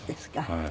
はい。